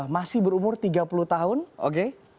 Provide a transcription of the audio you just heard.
masih berumur tiga puluh tahun oke